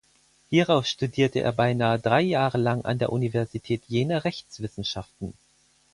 Hierauf studierte er beinahe drei Jahre lang an der Universität Jena Rechtswissenschaften.